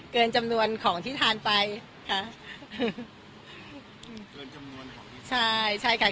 เกินจำนวนของที่ทานไปค่ะอืมเกินจำนวนของใช่ใช่ค่ะ